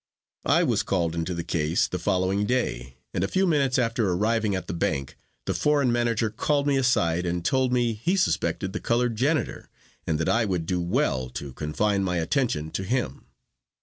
I was called into the case the following day, and a few minutes after arriving at the bank the foreign manager called me aside and told me he suspected the colored janitor, and that I would do well to confine my attention to him.